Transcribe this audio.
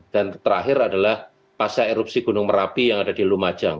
dan terakhir adalah pasca erupsi gunung merapi yang ada di lumajang